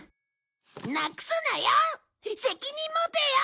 なくすなよ！